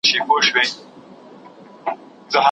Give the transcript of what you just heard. که تکنالوژي پرمختګ وکړي توليد به اسانه سي.